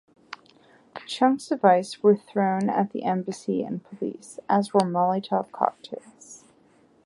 Chunks of ice were thrown at the embassy and police, as were Molotov Cocktails.